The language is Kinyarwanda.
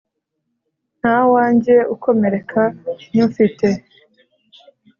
ntawanjye ukomereka nywufite.